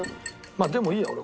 まあでもいいや俺。